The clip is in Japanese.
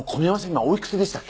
今おいくつでしたっけ？